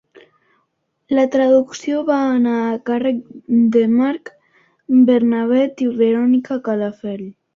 La traducció va anar a càrrec de Marc Bernabé i Verònica Calafell.